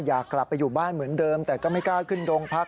อยากกลับไปอยู่บ้านเหมือนเดิมแต่ก็ไม่กล้าขึ้นโรงพัก